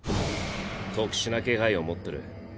特殊な気配を持ってる。